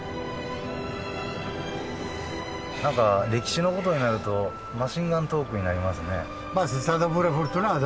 何か歴史のことになるとマシンガントークになりますね。